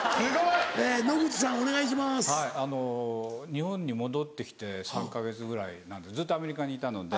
日本に戻って来て３か月ぐらいずっとアメリカにいたので。